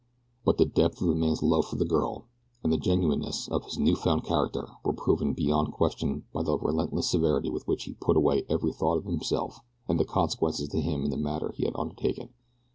But the depth of the man's love for the girl, and the genuineness of his new found character were proven beyond question by the relentless severity with which he put away every thought of himself and the consequences to him in the matter he had undertaken.